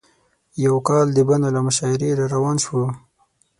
یو کال د بنو له مشاعرې راروان شوو.